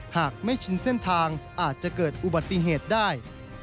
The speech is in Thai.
หากไม่ชินเส้นทางอาจจะเกิดอุบัติเหตุได้